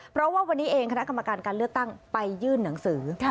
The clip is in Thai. เพราะว่าวันนี้เองคณะกรรมการการเลือกตั้งไปยื่นหนังสือ